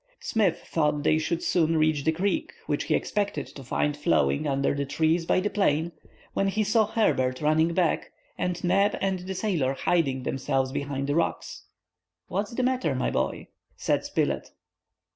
Smith thought they should soon reach the creek, which he expected to find flowing under the trees by the plain, when he saw Herbert running back, and Neb and the sailor hiding themselves behind the rocks. "What's the matter, my boy?" said Spilett.